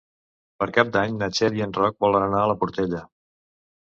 Per Cap d'Any na Txell i en Roc volen anar a la Portella.